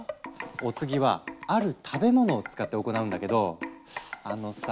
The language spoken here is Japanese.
お次は「ある食べ物」を使って行うんだけどあのさ